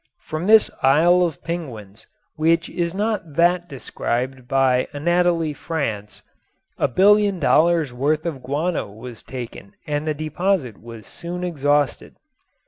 From this Isle of Penguins which is not that described by Anatole France a billion dollars' worth of guano was taken and the deposit was soon exhausted.